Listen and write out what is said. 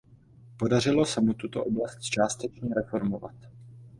Podařilo se mu tuto oblast částečně reformovat.